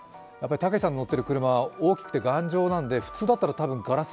たけしさんの乗っている車は大きくて頑丈なので普通だったらガラス